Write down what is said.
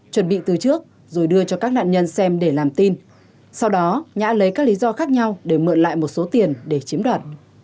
chuẩn bị từ trước rồi đưa cho các nạn nhân xem để làm tin sau đó nhã lấy các lý do khác nhau để mượn lại một số tiền để chiếm đoạt